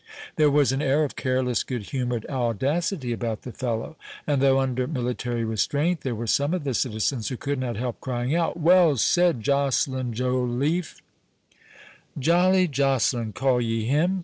There was an air of careless, good humoured audacity about the fellow; and, though under military restraint, there were some of the citizens who could not help crying out,—"Well said, Joceline Joliffe!" "Jolly Joceline, call ye him?"